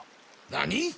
何？